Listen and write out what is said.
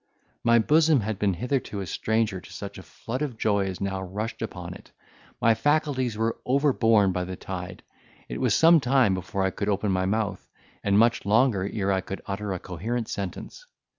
My bosom had been hitherto a stranger to such a flood of joy as now rushed upon it; my faculties were overborne by the tide; it was some time before I could open my mouth, and much longer ere I could utter a coherent sentence.